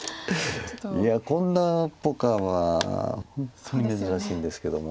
いやこんなポカは本当に珍しいんですけども。